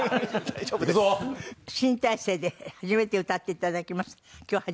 新体制で初めて歌っていただきます。